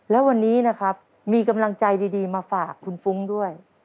และวันนี้นะครับมีกำลังใจดีมาฝากคุณฟุ้งด้วย